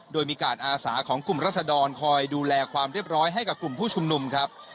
โดยมีการอาสาของกลุ่มรัศดรคอยดูแลความเรียบร้อยให้กับกลุ่มผู้ชุมนุมครับ